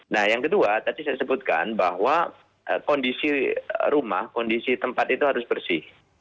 nah yang kedua tadi saya sebutkan bahwa kondisi rumah kondisi tempat itu harus bersih